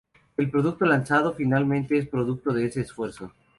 El producto lanzado finalmente es producto de ese esfuerzo.